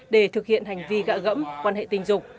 để thực hiện hành vi gạ gẫm quan hệ tình dục